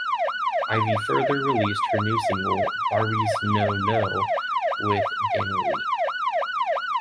Ivy further released her new single "Barbies Know Know" with Dany Lee.